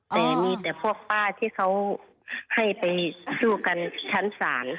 แต่มีแต่พวกป้าที่เขาให้ไปสู้กันชั้นศาล